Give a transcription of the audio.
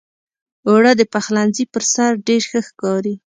اوړه د پخلنځي پر سر ډېر ښه ښکاري